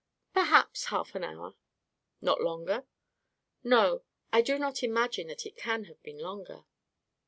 "Perhaps half an hour." "Not longer?" "No; I do not imagine that it can have been longer."